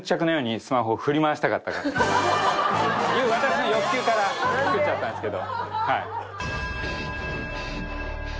という私の欲求から作っちゃったんですけど。